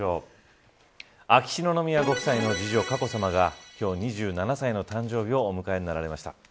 秋篠宮ご夫妻の次女佳子さまが今日２７歳の誕生日をお迎えになられました。